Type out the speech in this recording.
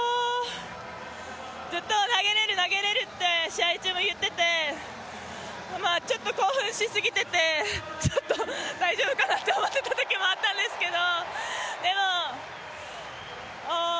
ずっと投げれる、投げれるって試合中も言っててちょっと興奮しすぎてて、ちょっと大丈夫かなって思ってたときもあったんですけど